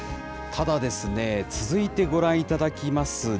ただですね、続いてご覧いただきます